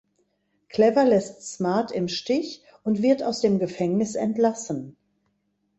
Clever lässt Smart im Stich und wird aus dem Gefängnis entlassen.